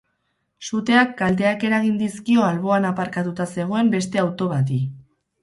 Suteak kalteak eragin dizkio alboan aparkatuta zegoen beste auto bati.